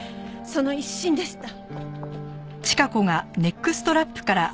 その一心でした。